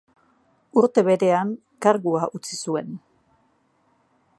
Urte berean kargua utzi zuen.